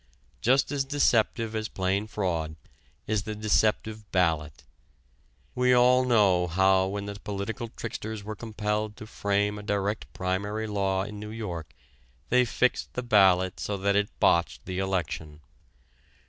Just as deceptive as plain fraud is the deceptive ballot. We all know how when the political tricksters were compelled to frame a direct primary law in New York they fixed the ballot so that it botched the election.